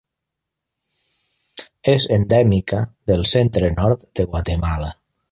És endèmica del centre-nord de Guatemala.